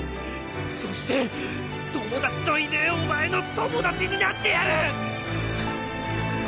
そして友達のいねえお前の友達になってやる！